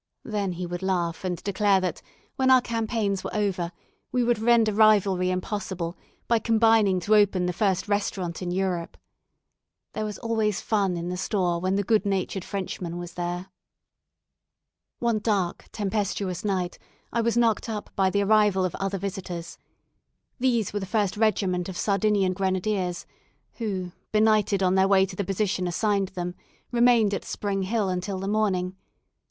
Then he would laugh and declare that, when our campaigns were over, we would render rivalry impossible, by combining to open the first restaurant in Europe. There was always fun in the store when the good natured Frenchman was there. One dark, tempestuous night, I was knocked up by the arrival of other visitors. These were the first regiment of Sardinian Grenadiers, who, benighted on their way to the position assigned them, remained at Spring Hill until the morning.